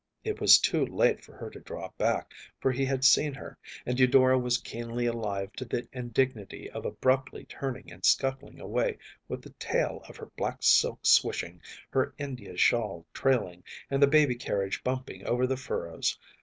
It was too late for her to draw back, for he had seen her, and Eudora was keenly alive to the indignity of abruptly turning and scuttling away with the tail of her black silk swishing, her India shawl trailing, and the baby carriage bumping over the furrows.